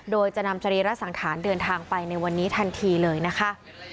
โดยจะนำสรีระสังขารเดินทางไปในวันนี้ทันทีเลยนะคะ